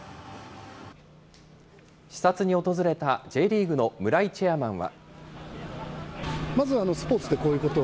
視察に訪れたＪリーグの村井チェアマンは。